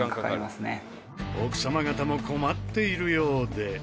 奥様方も困っているようで。